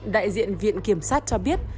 đại diện viện kiểm sát cho biết